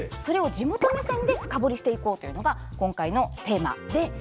それを地元目線で深掘りしていこうというのが今回のテーマで。